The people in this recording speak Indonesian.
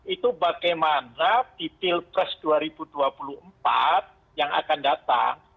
itu bagaimana di pilpres dua ribu dua puluh empat yang akan datang